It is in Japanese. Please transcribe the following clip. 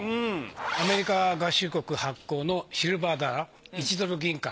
アメリカ合衆国発行のシルバーダラー１ドル銀貨。